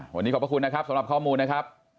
วันนี้ขอบพระคุณนะครับสำหรับข้อมูลนะครับ